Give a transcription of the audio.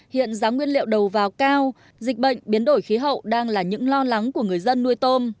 hiện giá nguyên liệu đầu vào cao dịch bệnh biến đổi khí hậu đang là những lo lắng của người dân nuôi tôm